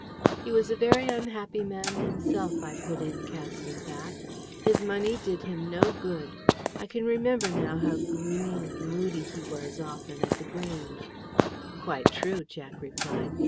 "He was a very unhappy man himself," I put in, casting back. "His money did him no good. I can remember now how gloomy and moody he was often, at The Grange." "Quite true," Jack replied.